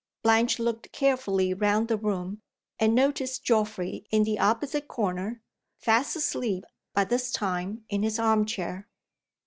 Blanche looked carefully round the room, and noticed Geoffrey in the opposite corner; fast asleep by this time in his arm chair.